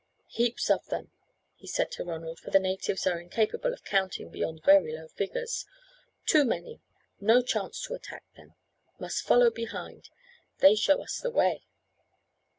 "Heaps of them," he said to Ronald, for the natives are incapable of counting beyond very low figures. "Too many; no chance to attack them; must follow behind. They show us the way."